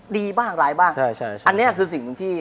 ดีบ้างร้ายบ้างอันนี้คือสิ่งหนึ่งที่